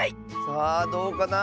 さあどうかな？